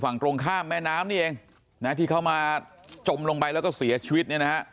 ฝั่งตรงข้ามแม่น้ำนี่เองที่เขามาจมลงไปแล้วก็เสียชีวิต